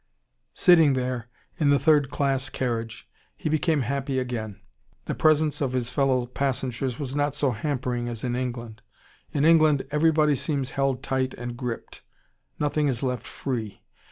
Sitting there in the third class carriage, he became happy again. The presence of his fellow passengers was not so hampering as in England. In England, everybody seems held tight and gripped, nothing is left free.